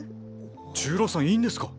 重郎さんいいんですか？